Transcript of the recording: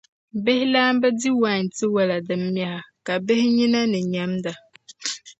Bihi’ laamba di wain tiwala din miha, ka bihi nyina ni nyɛmda.